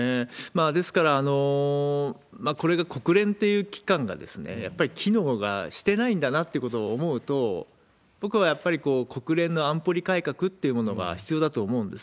ですから、これが国連っていう機関が、やっぱり機能してないんだなってことを思うと、僕はやっぱり国連の安保理改革っていうものが必要だと思うんです。